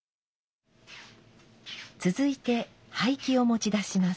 続いて灰器を持ち出します。